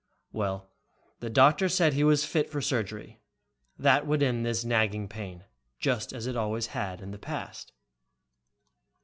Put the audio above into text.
Well, the doctor said he was fit for surgery. That would end this nagging pain, just as it always had in the past.